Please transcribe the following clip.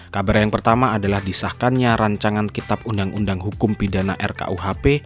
kabar yang pertama adalah disahkannya rancangan kitab undang undang hukum pidana rkuhp